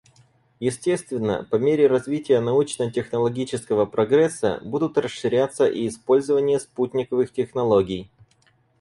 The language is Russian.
Естественно, по мере развития научно-технологического прогресса будет расширяться и использование спутниковых технологий.